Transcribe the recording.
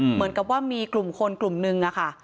เหมือนกับว่ามีกลุ่มคนกลุ่มนึงอะค่ะ